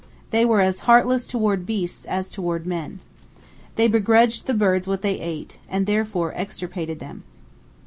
They were as heartless toward beasts as toward men. They begrudged the birds what they ate, and therefore extirpated them.